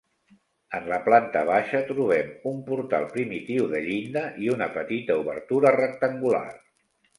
En la planta baixa, trobem un portal primitiu de llinda i una petita obertura rectangular.